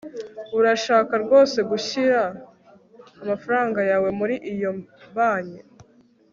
urashaka rwose gushyira amafaranga yawe muri iyo banki